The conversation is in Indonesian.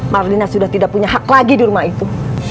mardina sudah tidak punya hak lagi di rumah itu